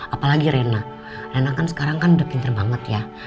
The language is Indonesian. apalagi rena rena kan sekarang kan udah pinter banget ya